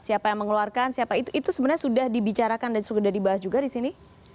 siapa yang mengeluarkan siapa itu sebenarnya sudah dibicarakan dan sudah dibahas juga di sini